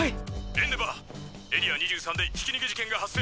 エンデヴァーエリア２３でひき逃げ事件が発生！